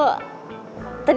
sampai jumpa lagi